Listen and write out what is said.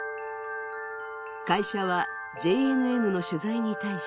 会社はＪＮＮの取材に対し